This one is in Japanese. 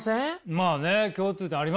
まあね。